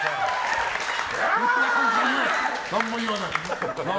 何も言わない。